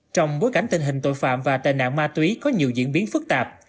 trong bối cảnh tình hình tội phạm và tệ nạn ma túy có nhiều diễn biến phức tạp